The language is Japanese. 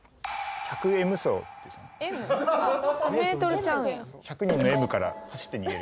１００人のＭから走って逃げる。